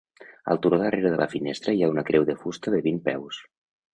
Al turó darrere de la finestra hi ha una creu de fusta de vint peus.